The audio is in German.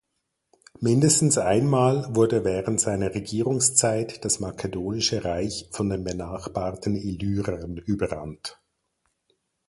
Mindestens einmal wurde während seiner Regierungszeit das makedonische Reich von den benachbarten Illyrern überrannt.